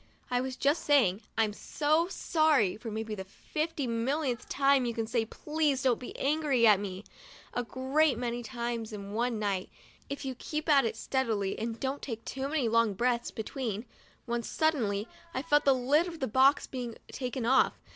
I was just saying 'I'm so sorry," for maybe the fifty millionth time — for you can say ' Please don't be angry at me '' a great many times in one night, if you keep at it steadily and don't take too many long breaths between — when suddenly I felt the lid of the box being taken off.